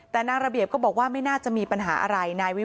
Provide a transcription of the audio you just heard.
แต่นางระเบียบก็บอกว่าไม่น่าจะมีปัญหาอะไรนายวิ